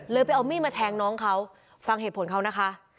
ไปเอามีดมาแทงน้องเขาฟังเหตุผลเขานะคะ